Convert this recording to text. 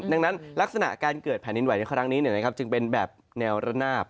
ดังนั้นลักษณะการเกิดแผ่นดินไหวในครั้งนี้จึงเป็นแบบแนวระนาบ